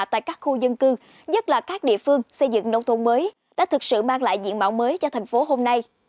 tại các khu dân cư nhất là các địa phương xây dựng nông thôn mới đã thực sự mang lại diện mạo mới cho thành phố hôm nay